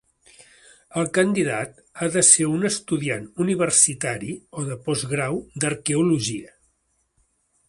El candidat ha de ser un estudiant universitari o de postgrau d'arqueologia.